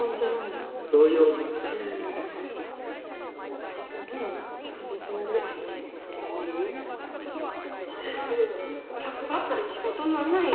ったく客ばっかで仕事になんないよ。